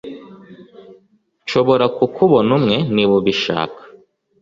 Nshobora kukubona umwe niba ubishaka